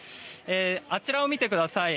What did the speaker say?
あちらを見てください。